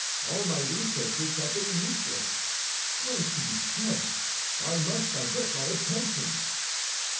All my researches have been useless. What is to be said? I must divert my attention!"